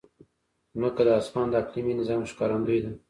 ځمکه د افغانستان د اقلیمي نظام ښکارندوی ده.